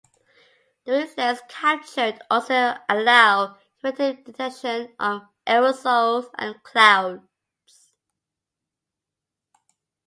The wavelengths captured also allow effective detection of aerosols and clouds.